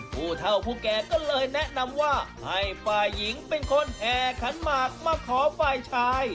ผู้เท่าผู้แก่ก็เลยแนะนำว่าให้ฝ่ายหญิงเป็นคนแห่ขันหมากมาขอฝ่ายชาย